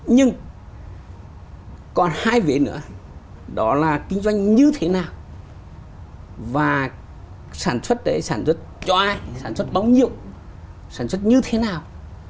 nhưng còn hai vế nữa đó là kinh doanh như thế nào và sản xuất đấy sản xuất cho ai sản xuất bao nhiêu sản xuất như thế nào